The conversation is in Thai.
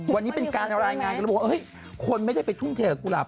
วันนี้เป็นการอารายงานคนไม่ได้ไปทุ่มเทกกุหลาบ